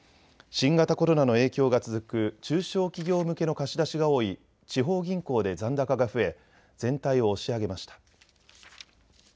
新型コロナの影響が続く中小企業向けの貸し出しが多い地方銀行で残高が増え全体を押し上げました。